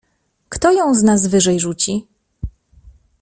"Kto ją z nas wyżej rzuci?"